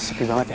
sepi banget ya